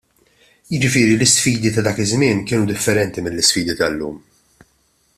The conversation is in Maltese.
Jiġifieri l-isfidi ta' dak iż-żmien kienu differenti mill-isfidi tal-lum.